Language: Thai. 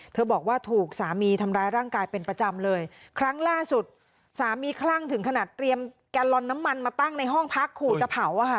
บอกว่าถูกสามีทำร้ายร่างกายเป็นประจำเลยครั้งล่าสุดสามีคลั่งถึงขนาดเตรียมแกลลอนน้ำมันมาตั้งในห้องพักขู่จะเผาอ่ะค่ะ